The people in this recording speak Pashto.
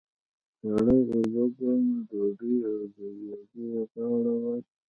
سړې اوبه، ګرمه ډودۍ او د ویالې غاړه وای.